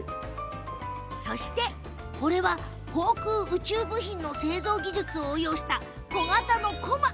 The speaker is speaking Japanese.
そして、これは航空宇宙部品の製造技術を応用した小型のこま。